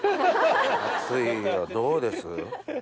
熱いよどうです？